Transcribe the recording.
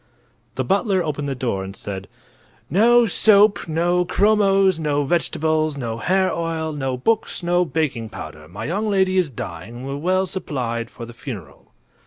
The butler opened the door and said: "No soap, no chromos, no vegetables, no hair oil, no books, no baking powder. My young lady is dying and we're well supplied for the funeral."